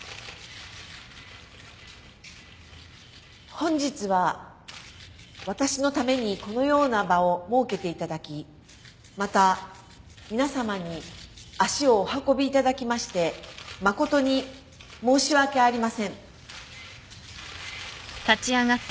本日は私のためにこのような場を設けていただきまた皆さまに足をお運びいただきまして誠に申し訳ありません。